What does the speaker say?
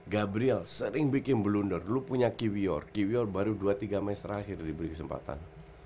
gabriel sering bikin blunder dulu punya keywior keywior baru dua tiga match terakhir diberi kesempatan